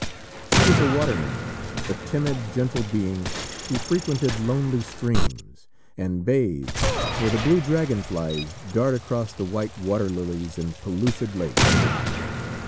She was a water nymph, a timid, gentle being who frequented lonely streams, and bathed where the blue dragon flies dart across the white water lilies in pellucid lakes.